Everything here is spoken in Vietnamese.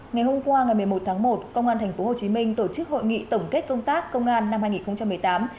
ngày hôm qua ngày một mươi một tháng một công an tp hcm tổ chức hội nghị tổng kết công tác công an năm hai nghìn một mươi tám